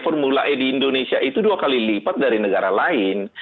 formula e di indonesia itu dua kali lipat dari negara lain